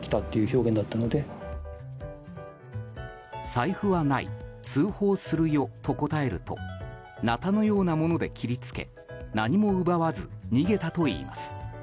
財布はない通報するよと答えるとなたのようなもので切りつけ何も奪わず逃げたといいます。